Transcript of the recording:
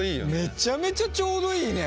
めちゃめちゃちょうどいいね！